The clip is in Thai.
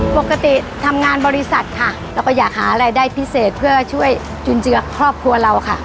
ปกติทำงานบริษัทค่ะเราก็อยากหารายได้พิเศษเพื่อช่วยจุนเจือครอบครัวเราค่ะ